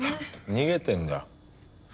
逃げてんだよ。